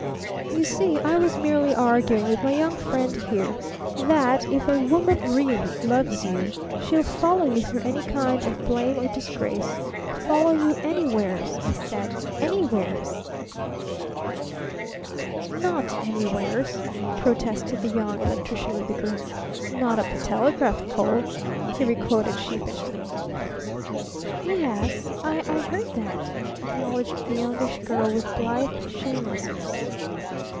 "You see, I was merely arguing with my young friend here that if a woman really loves you, she'll follow you through any kind of blame or disgrace follow you anywheres, I said anywheres!" "Not anywheres," protested the Young Electrician with a grin. "'Not up a telegraph pole!'" he requoted sheepishly. "Y e s I heard that," acknowledged the Youngish Girl with blithe shamelessness.